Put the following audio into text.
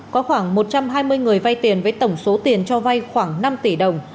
có khoảng một trăm hai mươi người vay tiền với tổng số tiền cho vay khoảng năm tỷ đồng